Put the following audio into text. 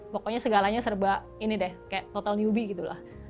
pokoknya segalanya serba ini deh kayak total newbie gitu lah